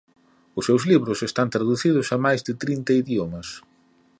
Os seus libros están traducidos a máis de trinta idiomas.